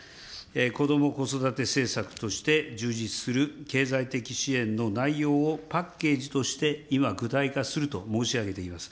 こども・子育て政策として充実する経済的支援の内容をパッケージとして、今、具体化すると申し上げています。